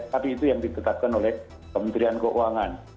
tapi itu yang ditetapkan oleh kementerian keuangan